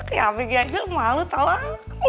kayak begitu aja malu tau ah